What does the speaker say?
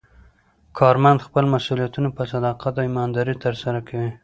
کارمند خپل مسوولیتونه په صداقت او ایماندارۍ ترسره کوي